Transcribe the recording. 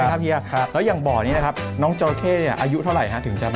ไข่เสร็จแล้วเขาจะฝาดตายรอบข้างขึ้นกบ